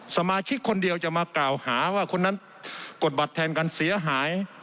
สมาชิกคนเดียวจะมากล่าวหาว่าคนนั้นกดบัตรแทนกันเสียหาย